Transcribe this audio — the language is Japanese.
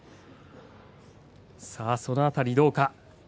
その辺りどうか。